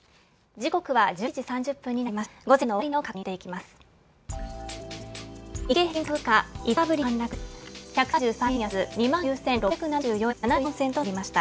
時刻は１１時３０分になりました。